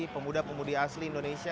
semoga terpilih jokowi